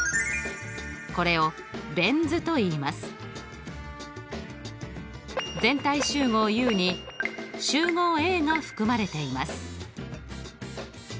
これを全体集合Ｕに集合Ａが含まれています。